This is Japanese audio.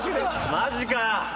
マジか！